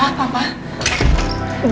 sudah selesai shay